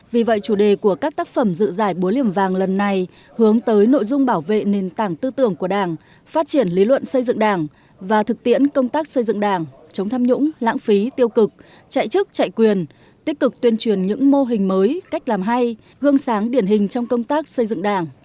vì vậy chủ đề của các tác phẩm dự giải búa liềm vàng lần này hướng tới nội dung bảo vệ nền tảng tư tưởng của đảng phát triển lý luận xây dựng đảng và thực tiễn công tác xây dựng đảng chống tham nhũng lãng phí tiêu cực chạy chức chạy quyền tích cực tuyên truyền những mô hình mới cách làm hay gương sáng điển hình trong công tác xây dựng đảng